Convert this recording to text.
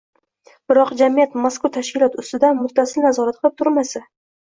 Biroq jamiyat mazkur tashkilot ustidan muttasil nazorat qilib turmasa